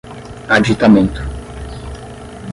aditamento